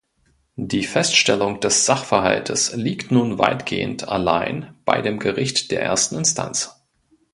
Die Feststellung des Sachverhaltes liegt nun weitgehend allein bei dem Gericht der ersten Instanz.